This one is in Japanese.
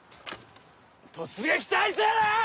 突撃態勢だ！